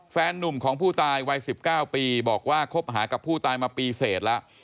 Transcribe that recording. นุ่มของผู้ตายวัย๑๙ปีบอกว่าคบหากับผู้ตายมาปีเสร็จแล้ว